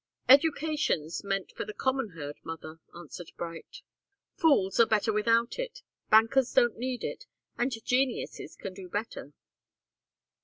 "Education's meant for the common herd, mother," answered Bright. "Fools are better without it, bankers don't need it, and geniuses can do better."